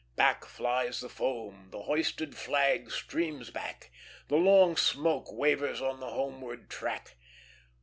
Back flies the foam; the hoisted flag streams back; The long smoke wavers on the homeward track.